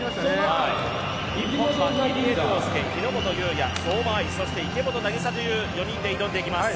日本は入江陵介、日本雄也相馬あい、そして池本凪沙という４人で挑んでいきます。